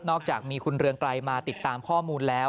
อกจากมีคุณเรืองไกรมาติดตามข้อมูลแล้ว